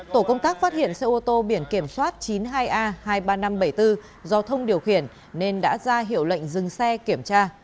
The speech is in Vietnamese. tổ công tác phát hiện xe ô tô biển kiểm soát chín mươi hai a hai mươi ba nghìn năm trăm bảy mươi bốn do thông điều khiển nên đã ra hiệu lệnh dừng xe kiểm tra